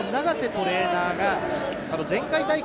その長瀬トレーナーが前回大会